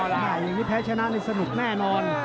อย่างนี้แพ้ชนะนี่สนุกแน่นอน